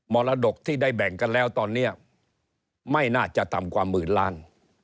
รดกที่ได้แบ่งกันแล้วตอนนี้ไม่น่าจะต่ำกว่าหมื่นล้าน